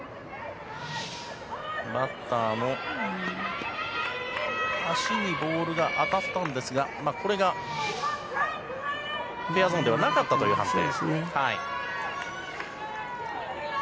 バッターの足にボールが当たったんですがフェアゾーンではなかったという判定。